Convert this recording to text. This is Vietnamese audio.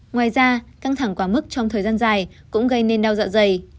ngoài ra căng thẳng quá mức trong thời gian dài cũng gây nên đau dạ dày